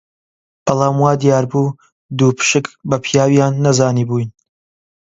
بەڵام وا دیار بوو دووپشک بە پیاویان نەزانیبووین